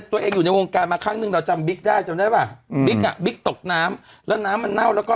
ถ้าก่อนลองกินน้ำซ่วมกันนะเถอะ